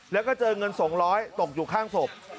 แล้วก็เจอเงินส่งร้อยตกอยู่ข้างศพ